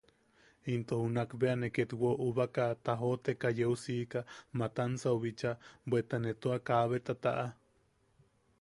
Into junak bea ne ketwo ubaka, tajooteka yeu siika Matansau bicha, bweta ne tua kabeta taʼa.